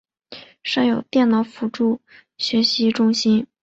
设有电脑辅助学习中心。